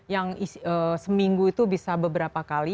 yang seminggu itu bisa beberapa kali